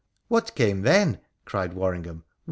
' What came then ?' cried Worringham.